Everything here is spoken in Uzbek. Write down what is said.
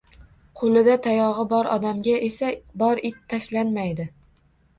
Qoʻlida tayogʻi bor odamga esi bor it tashlanmaydi